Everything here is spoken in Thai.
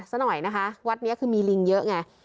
ซะหน่อยนะคะวัดนี้คือมีลิงเยอะไง